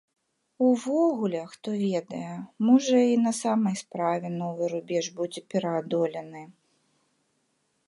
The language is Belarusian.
Увогуле, хто ведае, можа, і на самай справе новы рубеж будзе пераадолены.